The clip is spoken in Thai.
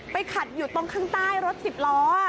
ขัดอยู่ตรงข้างใต้รถ๑๐ล้อ